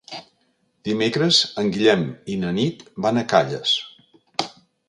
Dimecres en Guillem i na Nit van a Calles.